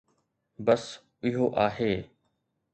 بس اهو آهي